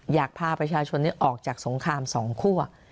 อยากพาประชาชนออกจากสงคราม๒คั่ว